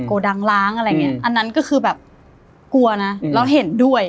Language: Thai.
โกดังล้างอะไรอย่างเงี้อันนั้นก็คือแบบกลัวนะแล้วเห็นด้วย